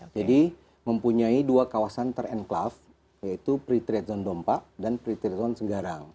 jadi mempunyai dua kawasan ter enclave yaitu pre trade zone dompa dan pre trade zone segarang